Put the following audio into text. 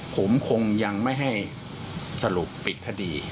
ผมคงยังไม่ให้สรุปปิดคดี